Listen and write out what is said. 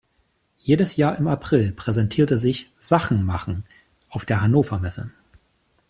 Jedes Jahr im April präsentierte sich „Sachen machen“ auf der Hannover-Messe.